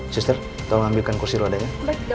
sister tolong ambilkan kursi rodanya